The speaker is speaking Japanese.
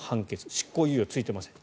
執行猶予、ついてません。